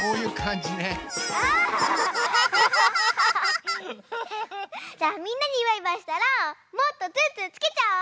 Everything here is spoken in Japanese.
じゃあみんなにバイバイしたらもっとツンツンつけちゃおう！